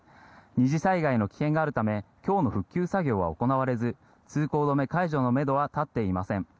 ２次災害の危険があるため今日の復旧作業は行われず通行止め解除のめどは立っていません。